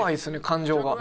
感情が。